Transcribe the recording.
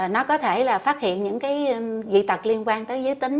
nó có thể là phát hiện những cái dị tật liên quan tới giới tính